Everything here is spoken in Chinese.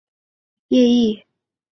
圣莱热特里耶伊。